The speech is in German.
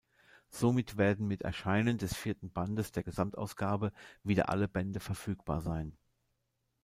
Somit werden mit Erscheinen des vierten Bands der Gesamtausgabe wieder alle Bände verfügbar sein.